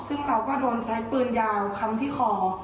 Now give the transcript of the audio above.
ซึ่งเขาก็โดนใช้ปืนยาวคำที่คอ